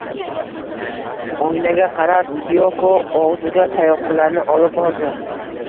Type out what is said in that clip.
Oynaga qarab Tiyoko og`ziga tayoqchalarni olib bordi